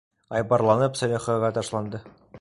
Айбарланып Сәлихәгә ташланды.